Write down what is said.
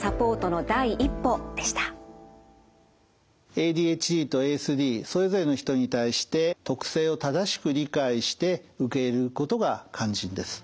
ＡＤＨＤとＡＳＤそれぞれの人に対して特性を正しく理解して受け入れることが肝心です。